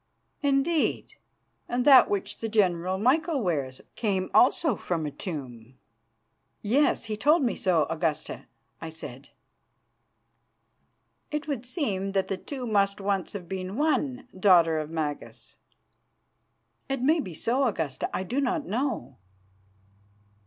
"'Indeed, and that which the General Michael wears came also from a tomb.' "'Yes, he told me so, Augusta,' I said. "'It would seem that the two must once have been one, Daughter of Magas?' "'It may be so, Augusta; I do not know.